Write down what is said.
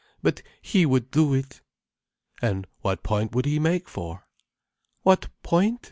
But he would do it." "And what point would he make for?" "What point?